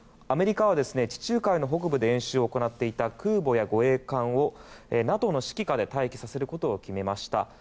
アメリカは地中海の北部で演習を行っていた空母や護衛艦をＮＡＴＯの指揮下で待機させることを決めました。